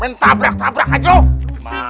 manusia yang paling gua empat